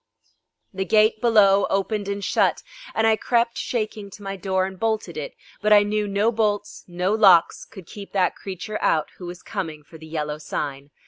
The gate below opened and shut, and I crept shaking to my door and bolted it, but I knew no bolts, no locks, could keep that creature out who was coming for the Yellow Sign.